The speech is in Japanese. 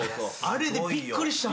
あれでびっくりした。